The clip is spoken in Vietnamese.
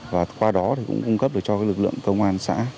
và qua đó thì cũng cung cấp được cho lực lượng công an xã